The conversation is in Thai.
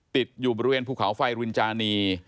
ติดอยู่บริเวณภูเขาไฟรินจานี